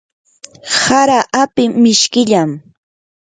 hara api mishkillam.